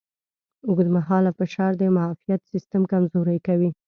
اوږدمهاله فشار د معافیت سیستم کمزوری کوي.